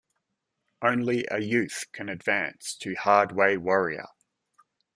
Only a youth can advance to hard-way warrior.